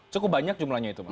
cukup banyak jumlahnya itu pak